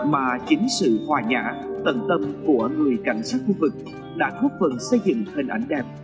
mà chính sự hòa nhã tận tâm của người cảnh sát khu vực đã góp phần xây dựng hình ảnh đẹp